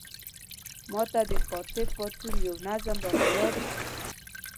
ما ته د کاتب پاڅون یو نظم را په یاد شو.